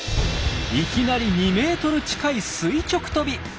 いきなり２ｍ近い垂直飛び。